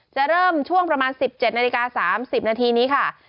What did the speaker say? จะเริ่มช่วงประมาณ๑๗นาฬิกา๓๐นาทีนี้ค่ะ